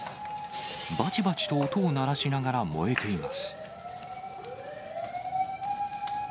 ばちばちと音を鳴らしながら燃えています。